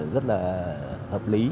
rất là hợp lý